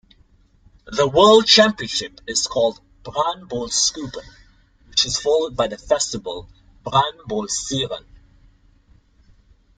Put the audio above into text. The world championship is called Brännbollscupen, which is followed by the festival Brännbollsyran.